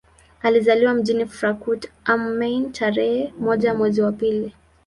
Alizaliwa mjini Frankfurt am Main tarehe moja mwezi wa pili